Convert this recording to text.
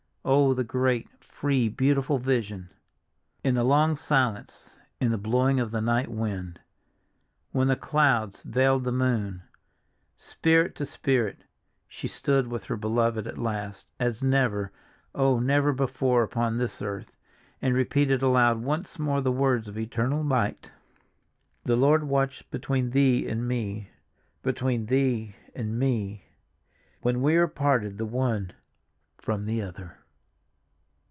Oh, the great, free, beautiful vision! In the long silence—in the blowing of the night wind—when the clouds veiled the moon—spirit to spirit she stood with her beloved at last, as never, oh, never before upon this earth, and repeated aloud once more the words of eternal might: "The Lord watch between thee and me—between thee and me—when we are parted the one from the other."